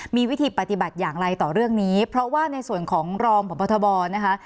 มีวิธีปฏิบัติอย่างไรต่อเรื่องนี้เพราะว่าในส่วนของรองพบทบนะคะ